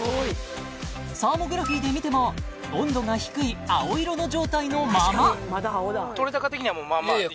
サーモグラフィーで見ても温度が低い青色の状態のままいやいや